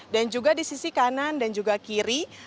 dan juga di sisi kanan dan juga kiri